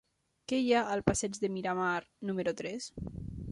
Què hi ha al passeig de Miramar número tres?